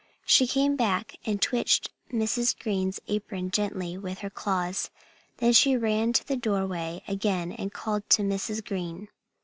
She came back and twitched Mrs. Green's apron gently with her claws. Then she ran to the doorway again and called to Mrs. Green.